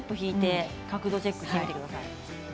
角度チェックをしてみてください。